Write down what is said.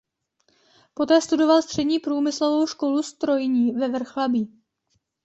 Poté studoval Střední průmyslovou školu strojní ve Vrchlabí.